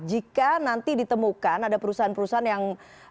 jika nanti ditemukan ada perusahaan perusahaan yang